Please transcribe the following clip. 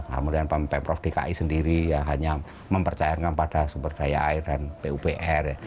kemudian pemprov dki sendiri ya hanya mempercayakan pada sumber daya air dan pupr